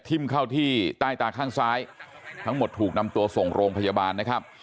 เข้าที่ใต้ตาข้างซ้ายทั้งหมดถูกนำตัวส่งโรงพยาบาลนะครับ